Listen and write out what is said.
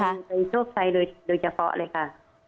เธอลองไปโชคชัยโดยเฉพาะเลยนะคะ